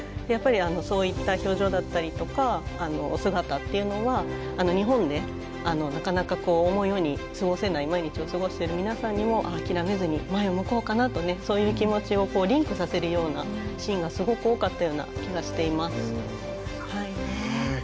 やっぱりそういった表情だったりとかお姿というのは日本でなかなか思うように過ごせない毎日を過ごしている皆さんにもああ、諦めずに前を向こうかなとそういう気持ちをリンクさせるようなシーンがすごく多かったような気がしています。